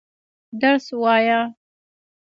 درس وايه.